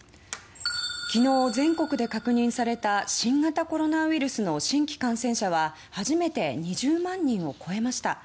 昨日、全国で確認された新型コロナウイルスの新規感染者は初めて２０万人を超えました。